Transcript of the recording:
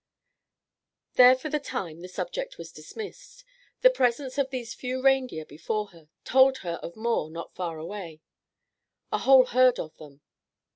There for the time the subject was dismissed. The presence of these few reindeer before her told of more not far away, a whole herd of them.